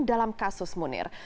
dalam kasus munir